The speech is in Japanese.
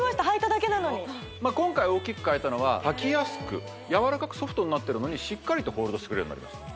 はいただけなのに今回おっきく変えたのははきやすくやわらかくソフトになってるのにしっかりとホールドしてくれるようになります